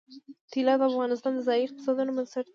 طلا د افغانستان د ځایي اقتصادونو بنسټ دی.